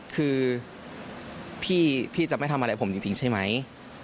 คือพี่จะไม่ทำอะไรผมจริงใช่ไหม